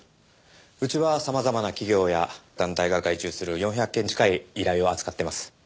うちは様々な企業や団体が外注する４００件近い依頼を扱ってます。